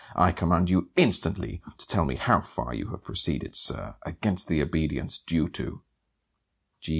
I command you instantly to tell me how far you have proceeded, Sir, against the obedience due to G.